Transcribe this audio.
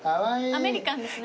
アメリカンですね。